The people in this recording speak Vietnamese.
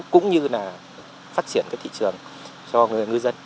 cũng như là phát triển cái thị trường cho người dân